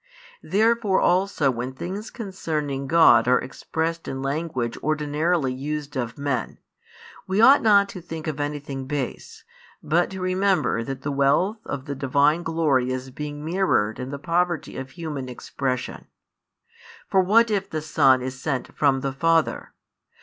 Therefore also when things concerning God are expressed in language ordinarily used of men, we ought not to think of anything base, but to remember that the wealth of the Divine Glory is being mirrored in the poverty of human expression. For what if the Son is sent from the Father?